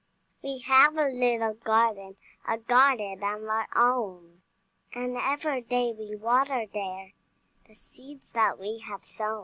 We have a little garden, A garden of our own, And every day we water there The seeds that we have sown.